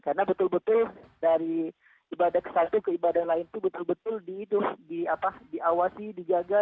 karena betul betul dari ibadah ke satu ke ibadah lain itu betul betul diawasi dijaga